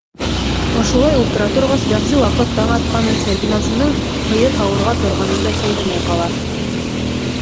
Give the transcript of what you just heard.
Ошолай ултыра торғас, бәғзе ваҡыт таң атҡанын, Сәрбиназының һыйыр һауырға торғанын да шәйләмәй ҡала.